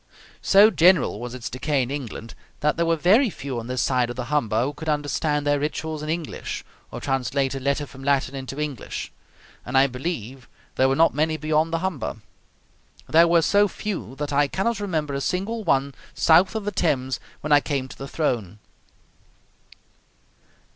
So general was its decay in England that there were very few on this side of the Humber who could understand their rituals in English, or translate a letter from Latin into English; and I believe there were not many beyond the Humber. There were so few that I cannot remember a single one south of the Thames when I came to the throne.